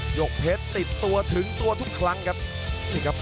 หยกเพชรติดตัวถึงตัวทุกครั้งครับ